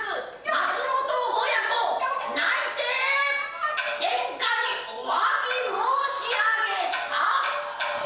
松本親子泣いて殿下におわび申し上げた。